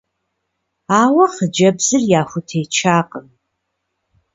Ауэ хъыджэбзыр яхутечакъым.